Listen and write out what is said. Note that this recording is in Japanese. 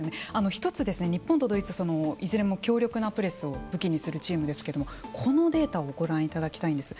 一つ日本とドイツいずれも強力なプレスを武器にするチームですけどもこのデータをご覧いただきたいんです。